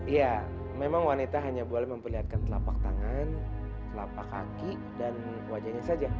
ya memang wanita hanya boleh memperlihatkan telapak tangan telapak kaki dan wajahnya saja